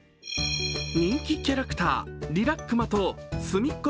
人気キャラクター、リラックマとすみっコ